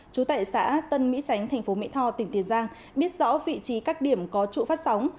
chú tại xã tân mỹ chánh tp mỹ tho tỉnh tiền giang biết rõ vị trí các điểm có trụ phát sóng